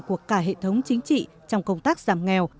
của cả hệ thống chính trị trong công tác giảm nghèo